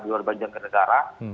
di luar banjir kerajaan